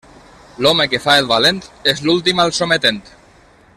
L'home que fa el valent és l'últim al sometent.